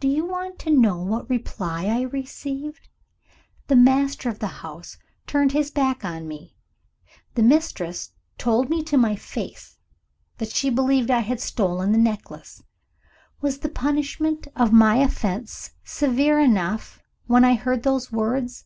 Do you want to know what reply I received? The master of the house turned his back on me; the mistress told me to my face that she believed I had stolen the necklace. Was the punishment of my offense severe enough, when I heard those words?